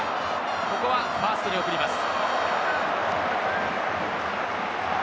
ここはファーストに送ります。